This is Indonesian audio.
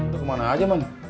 lo kemana aja man